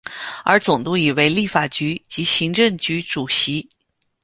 而总督亦为立法局及行政局主席。